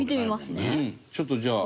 ちょっとじゃあ。